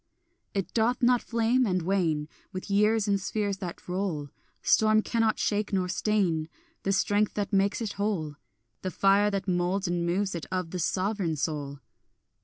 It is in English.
It doth not flame and wane With years and spheres that roll, Storm cannot shake nor stain The strength that makes it whole, The fire that moulds and moves it of the sovereign soul.